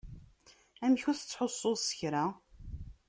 Amek ur tettḥussuḍ s kra?